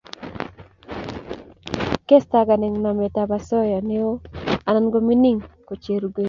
Kestakan eng nametab osoya neo anan ko mining kochereiugil